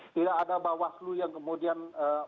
tidak ada bawaslu yang kemudian